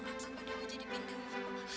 langsung pada wajah dipindah